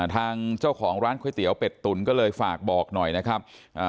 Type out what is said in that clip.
ทางเจ้าของร้านก๋วยเตี๋ยวเป็ดตุ๋นก็เลยฝากบอกหน่อยนะครับ